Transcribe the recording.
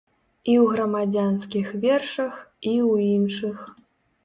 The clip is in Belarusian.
І ў грамадзянскіх вершах, і ў іншых.